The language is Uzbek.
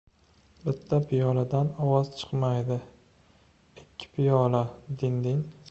• Bitta piyoladan ovoz chiqmaydi, ikki piyola — “din-din”.